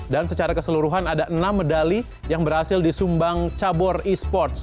dan secara keseluruhan ada enam medali yang berhasil disumbang cabur e sports